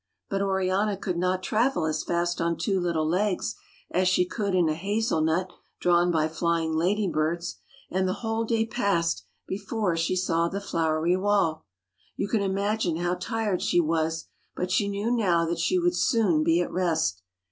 But Oriana could not travel as fast on two little legs as she could in a hazel nut drawn by flying lady birds, and the whole day passed before she saw the flowery wall. You can imagine how tired she was, but she knew now that she would soon be at rest.